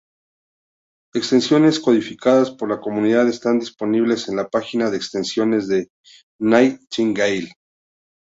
Extensiones codificadas por la comunidad están disponibles en la página de extensiones de Nightingale.